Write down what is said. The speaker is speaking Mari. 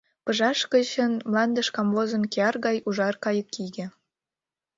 Пыжаш гычын мландыш камвозын кияр гай ужар кайыкиге.